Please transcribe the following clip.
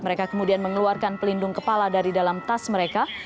mereka kemudian mengeluarkan pelindung kepala dari dalam tas mereka